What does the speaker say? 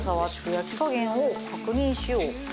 「焼き加減を確認しよう」